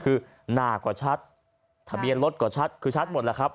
คือหน้าก็ชัดทะเบียนรถก็ชัดคือชัดหมดแล้วครับ